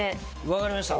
分かりました。